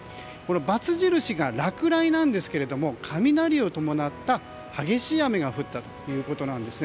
バツ印が落雷なんですが雷を伴った激しい雨が降ったということです。